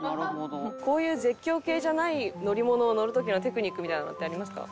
こういう絶叫系じゃない乗り物を乗る時のテクニックみたいなのってありますか？